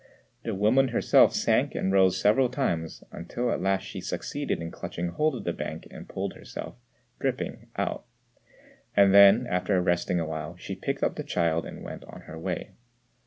The woman herself sank and rose several times, until at last she succeeded in clutching hold of the bank and pulled herself, dripping, out; and then, after resting awhile, she picked up the child and went on her way.